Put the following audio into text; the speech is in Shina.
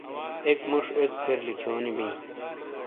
اک موش ایک پھیر لکھیونی بیں